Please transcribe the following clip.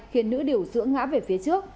khiến nữ điều dưỡng ngã về phía trước